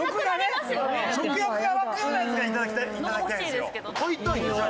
食欲が湧くようなやつが頂きたいんですよ。